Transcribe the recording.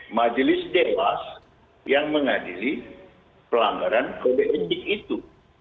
majelis dewas yang mengadili pelanggaran kdn di itu